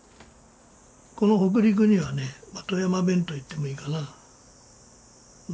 この北陸にはね富山弁と言ってもいいかな。